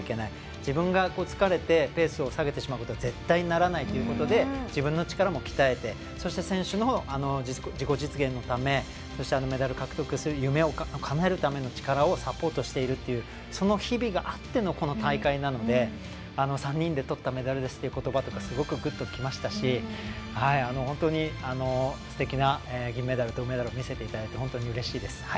自分が疲れてペースを下げてしまうことには絶対にならないということで自分の力も鍛えてそして、選手の自己実現のためそしてメダル獲得する夢をかなえるための力をサポートしているというその日々があってのこの大会なので３人でとったメダルですっていう言葉はすごくグッときましたし本当にすてきな銀メダルと銅メダルを見せていただいて本当にうれしいです。